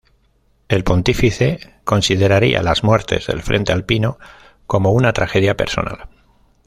El pontífice consideraría las muertes del frente alpino como una tragedia personal.